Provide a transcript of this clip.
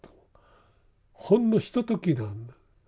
ほんのひとときなんだ。